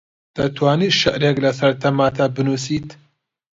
دەتوانیت شیعرێک لەسەر تەماتە بنووسیت؟